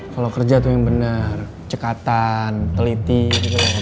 kalo kerja tuh yang bener cekatan teliti gitu